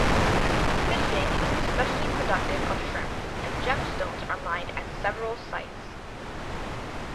Fishing is especially productive of shrimp, and gemstones are mined at several sites.